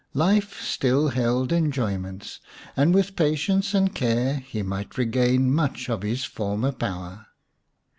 Life still held enjoyments, and with patience and care he might regain much of his former power.